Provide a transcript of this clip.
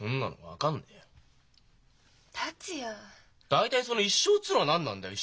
大体その「一生」っつうのは何なんだよ？